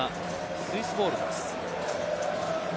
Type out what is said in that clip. スイスボールです。